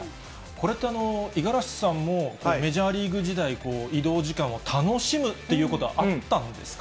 これって、五十嵐さんもメジャーリーグ時代、移動時間を楽しむということはあったんですか？